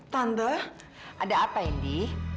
tante ada apa indi